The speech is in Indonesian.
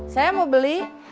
saya mau beli